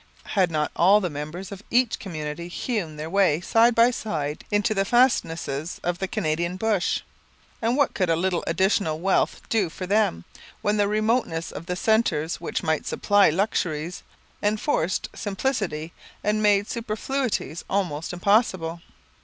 Had not all the members of each community hewn their way side by side into the fastnesses of the Canadian bush? And what could a little additional wealth do for them, when the remoteness of the centres which might supply luxuries, enforced simplicity and made superfluities almost impossible?